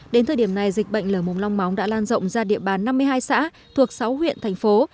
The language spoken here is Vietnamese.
đến thời điểm này dịch bệnh lở mồm long móng đã lan rộng ra địa bàn năm mươi hai xã thuộc sáu huyện thành phố